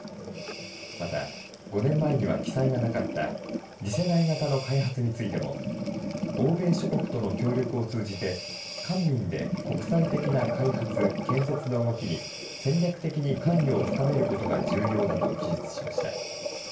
また、５年前には記載がなかった次世代型の開発についても欧米諸国との協力を通じて官民で国際的な開発、建設の動きに戦略的に関与を深めることが重要だと記述しました。